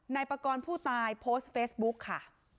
นายปากรผู้ตายโพสต์เฟซบุ๊กค่ะ